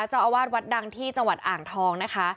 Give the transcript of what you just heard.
เจ้าอาวาสวัดดังที่จังหวัดอ่างทองนะคะ